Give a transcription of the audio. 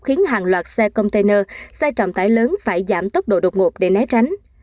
khiến hàng loạt xe container xe trọng tải lớn phải giảm tốc độ đột ngột để né tránh